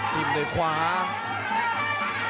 จิมเนียบความ